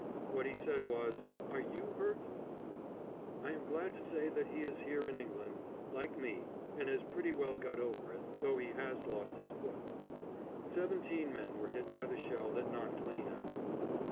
What he said was, "Are you hurt?" I am glad to say that he is here in England, like me, and has pretty well got over it, though he has lost his foot. Seventeen men were hit by the shell that knocked Lane out.